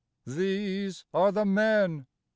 These are the men !